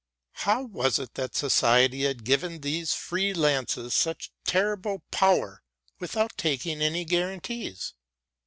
How was it that society had given these free lances such terrible power without taking any guarantees?